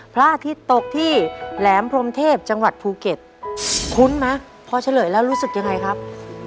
พระอาทิตย์ตกที่แหลมพรมเทพจังหวัดภูเก็ตคุ้นไหมพอเฉลยแล้วรู้สึกยังไงครับ